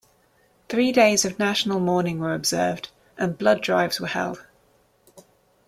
Three days of national mourning were observed, and blood drives were held.